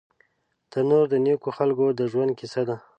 تنور د نیکو خلکو د ژوند کیسه ده